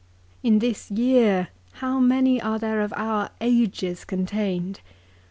In this year how many are there of our ages contained.